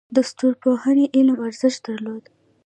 د ستورپوهنې علم ارزښت درلود